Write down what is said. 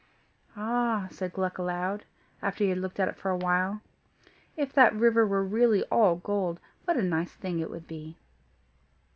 "Ah!" said Gluck aloud, after he had looked at it for a while, "if that river were really all gold, what a nice thing it would be."